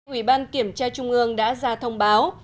ủy ban kiểm tra trung ương đã ra thông báo